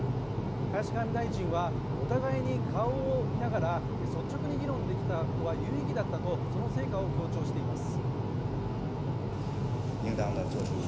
林外務大臣はお互いに顔を見ながら率直に議論できたのは有意義だったとその成果を強調しています。